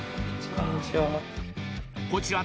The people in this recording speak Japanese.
こんにちは